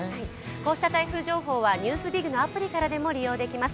こうした台風情報は「ＮＥＷＳＤＩＧ」のアプリからでも利用できます。